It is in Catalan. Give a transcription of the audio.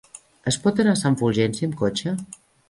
Es pot anar a Sant Fulgenci amb cotxe?